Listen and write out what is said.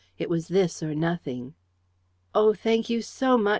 It was this or nothing." "Oh, thank you so much!"